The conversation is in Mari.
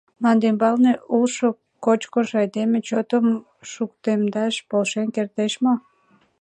Мландӱмбалне улшо кочкыш айдеме чотым шукемдаш полшен кертеш мо?